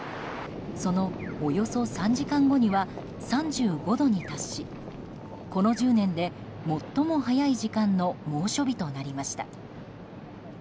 そのおよそ３時間後には３５度に達しこの１０年で最も早い時間の猛暑日となりました。